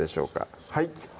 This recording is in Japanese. はい